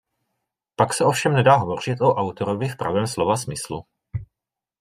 Pak se ovšem nedá hovořit o autorovi v pravém slova smyslu.